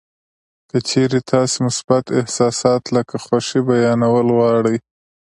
که چېرې تاسې مثبت احساسات لکه خوښي بیانول غواړئ